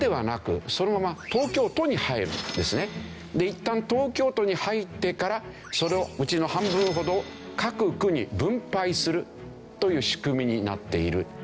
いったん東京都に入ってからそのうちの半分ほどを各区に分配するという仕組みになっている。